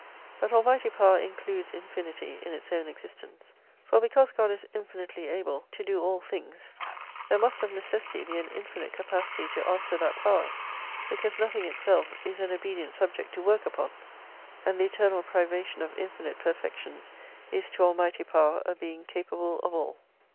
But Almighty Power includes Infinity in its own existence. For because God is infinitely able to do all things, there must of necessity be an infinite capacity to answer that power, because nothing itself is an obedient subject to work upon : and the eternal privation of infinite perfections is to Almighty Power a Being capable of all.